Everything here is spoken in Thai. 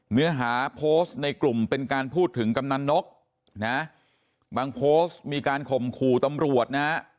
เนื้อหาโพสต์ในกลุ่มเป็นการพูดถึงกำนันนกนะบางโพสต์มีการข่มขู่ตำรวจนะฮะ